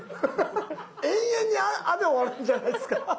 永遠に「あ」で終わるんじゃないですか？